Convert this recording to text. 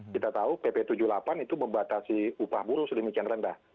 kita tahu pp tujuh puluh delapan itu membatasi upah buruh sedemikian rendah